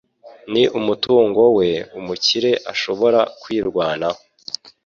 ni umutungo we umukire ashobora kwirwanaho